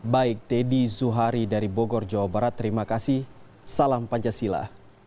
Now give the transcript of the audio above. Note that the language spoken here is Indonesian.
baik teddy zuhari dari bogor jawa barat terima kasih salam pancasila